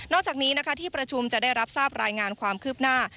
จากนี้นะคะที่ประชุมจะได้รับทราบรายงานความคืบหน้า